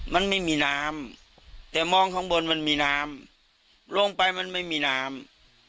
มันไม่มีน้ำแต่มองข้างบนมันมีน้ำลงไปมันไม่มีน้ำ